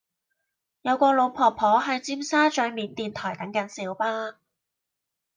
有個老婆婆喺尖沙咀緬甸台等緊小巴